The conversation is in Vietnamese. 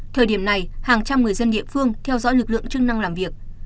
thời điểm này hàng trăm người dân địa phương theo dõi lực lượng chức năng làm việc